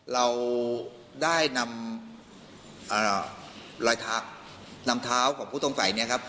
เราได้นำรอยเท้านำเท้าของผู้ต้องสัยเนี่ยครับ